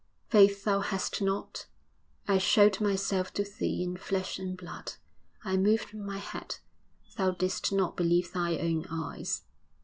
'Faith thou hadst not I showed Myself to thee in flesh and blood, I moved My head; thou didst not believe thine own eyes.'